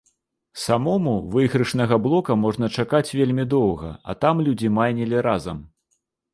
Самому выйгрышнага блока можна чакаць вельмі доўга, а там людзі майнілі разам.